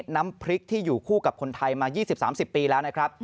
น้ำพริกที่อยู่คู่กับคนไทยมา๒๐๓๐ปีแล้วนะครับ